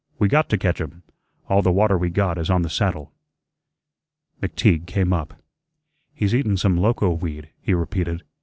We got to catch him. All the water we got is on the saddle." McTeague came up. "He's eatun some loco weed," he repeated.